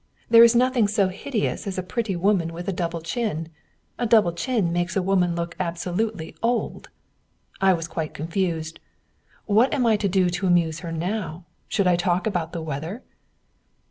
There is nothing so hideous as a pretty woman with a double chin. A double chin makes a woman look absolutely old. I was quite confused. What am I to do to amuse her now? Should I talk about the weather?